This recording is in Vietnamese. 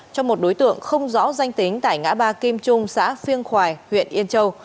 cho một đối tượng không rõ danh tính tại ngã ba kim trung xã phiêng khoài huyện yên châu